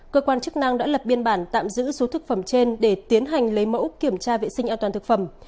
cơ quan chức năng đã lập biên bản tạm giữ số thực phẩm trên để tiến hành lấy mẫu kiểm tra vệ sinh an toàn thực phẩm